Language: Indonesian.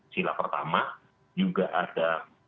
silapertama juga ada